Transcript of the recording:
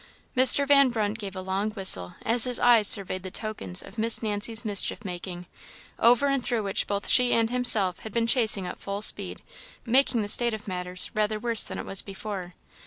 Mr. Van Brunt gave a long whistle as his eye surveyed the tokens of Miss Nancy's mischief making, over and through which both she and himself had been chasing at full speed, making the state of matters rather worse than it was before.